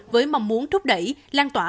với mong muốn thúc đẩy lan tỏa